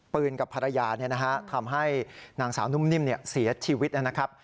กับภรรยาทำให้นางสาวนุ่มนิ่มเสียชีวิตนะครับ